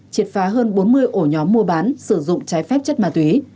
triệt phá hơn bốn mươi ổ nhóm mua bán sử dụng trái phép chất ma túy